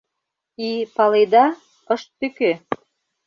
И, паледа, ышт тӱкӧ.